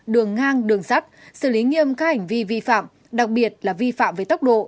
đường ngang đường sắt xử lý nghiêm các hành vi vi phạm đặc biệt là vi phạm về tốc độ